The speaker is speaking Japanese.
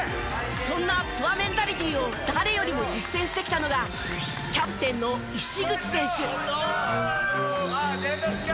そんな諏訪メンタリティを誰よりも実践してきたのがキャプテンの石口選手。